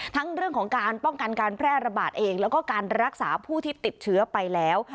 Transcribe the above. ทั้งเรื่องของการป้องกันการแพร่ระบาดเองแล้วก็การรักษาผู้ที่ติดเชื้อไปแล้ว